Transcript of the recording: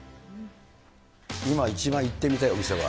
今一番行ってみたいお店は。